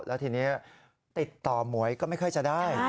แล้วทีนี้ติดต่อหมวยก็ไม่ค่อยจะได้